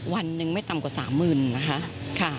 วันหนึ่งไม่ต่ำกว่า๓หมื่นค่ะ